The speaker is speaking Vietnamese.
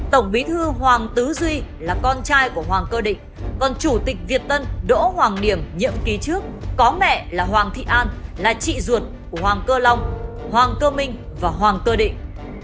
tổng bí thư hoàng tứ duy là con trai của hoàng cơ định còn chủ tịch việt tân đỗ hoàng điểm nhiệm kỳ trước có mẹ là hoàng thị an là chị ruột của hoàng cơ long hoàng cơ minh và hoàng cơ định